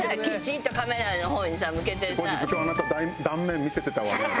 後日「今日あなた断面見せてたわね」。